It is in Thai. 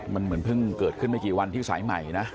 มันเหมือนเพิ่งเกิดขึ้นไม่กี่วันที่สายใหม่นะ